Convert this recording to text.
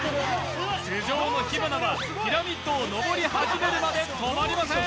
頭上の火花はピラミッドをのぼり始めるまで止まりません！